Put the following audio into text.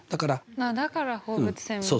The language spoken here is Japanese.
だから放物線みたいな。